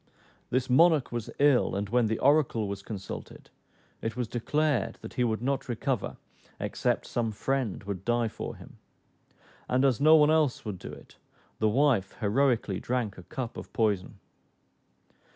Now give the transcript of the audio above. This monarch was ill; and when the oracle was consulted, it was declared that he would not recover except some friend would die for him; and as no one else would do so, the wife heroically drank a cup of poison.